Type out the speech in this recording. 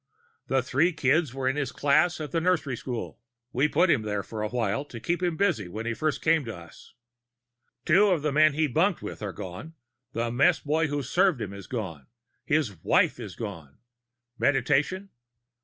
The three kids were in his class at the nursery school we put him there for a while to keep him busy, when he first came to us. Two of the men he bunked with are gone; the mess boy who served him is gone; his wife is gone. Meditation?